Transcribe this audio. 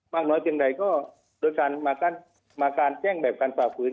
มากน้อยอย่างใดก็โดยการมาการแจ้งแบบการฝ่าพื้น